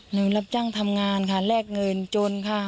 หนูรับจ้างทำงานค่ะแลกเงินจนค่ะ